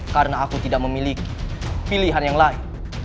karena aku tidak memiliki pilihan yang lain